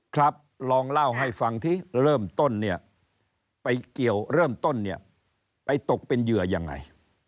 ครับลองเล่าให้ฟังที่เริ่มต้นเนี่ยไปเกี่ยวเริ่มต้นเนี่ยไปตกเป็นเหยื่อยังไง